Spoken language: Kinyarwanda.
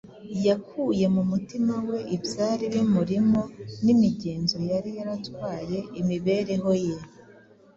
Yakuye mu mutima we ibyari bimurimo n’imigenzo yari yaratwaye imibereho ye